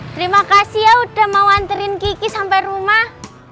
terima kasih ya udah mau wanterin kiki sampai rumah